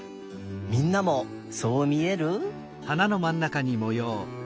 みんなもそうみえる？